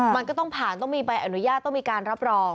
มันก็ต้องผ่านต้องมีใบอนุญาตต้องมีการรับรอง